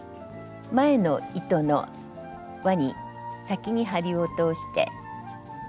前の糸のわに先に針を通して。